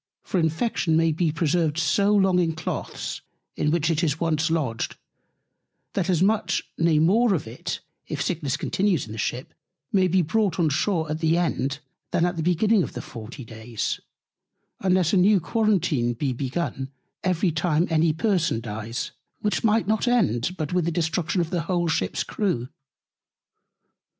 For Infection may be preserved so long in Cloaths, in which it is once lodged, that as much, nay more of it, if Sickness continues in the Ship, maybe brought on Shoar at the End than at the beginning of the 40 Days: Unless a new Quarentine be begun every time any Person dies; which might not end, but with the Destruction of the whole Ship's Crew.